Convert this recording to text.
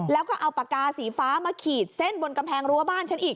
แล้วก็เอาปากกาสีฟ้ามาขีดเส้นบนกำแพงรั้วบ้านฉันอีก